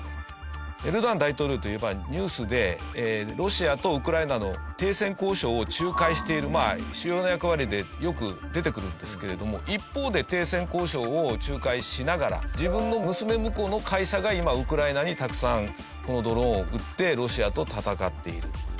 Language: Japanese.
エルドアン大統領といえばニュースでロシアとウクライナの停戦交渉を仲介している主要な役割でよく出てくるんですけれども一方で停戦交渉を仲介しながら自分の娘婿の会社が今ウクライナにたくさんこのドローンを売ってロシアと戦っている。